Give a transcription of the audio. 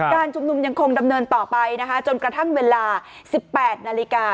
การชุมนุมยังคงดำเนินต่อไปนะคะจนกระทั่งเวลา๑๘นาฬิกา